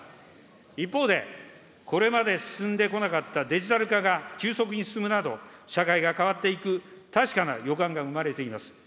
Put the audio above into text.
一方で、これまで進んでこなかったデジタル化が急速に進むなど、社会が変わっていく確かな予感が生まれています。